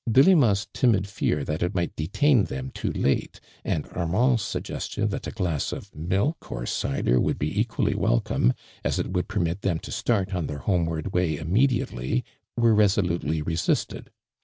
Delima's timid fear that it might detain them too late, and Armand's suggestion that a glass of milk or cider would be equally welcome, as it would permit them to start on their home ward way immediately, were resolutely resisted.